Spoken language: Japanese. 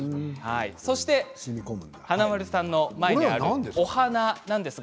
そして華丸さんの前にはお花です。